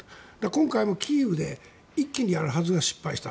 今回もキーウで一気にやるはずが失敗した。